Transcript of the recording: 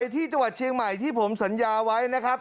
ที่จังหวัดเชียงใหม่ที่ผมสัญญาไว้นะครับ